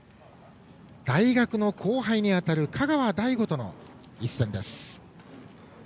大学の後輩にあたる香川大吾との一戦です。